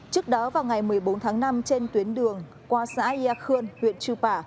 trước đó vào ngày một mươi bốn tháng năm trên tuyến đường qua xã yà khương huyện chư pả